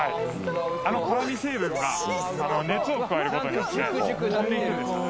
あの辛味成分が熱を加えることによって飛んでいくんですよ